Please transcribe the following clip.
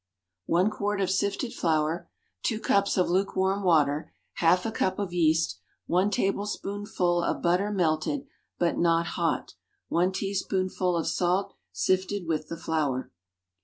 One quart of sifted flour. Two cups of lukewarm water. Half a cup of yeast. One tablespoonful of butter melted, but not hot. One teaspoonful of salt sifted with the flour.